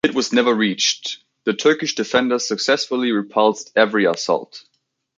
It was never reached; the Turkish defenders successfully repulsed every assault.